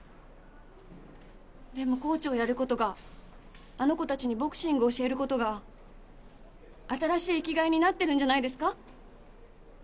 でもコーチをやる事があの子たちにボクシング教える事が新しい生きがいになってるんじゃないですか？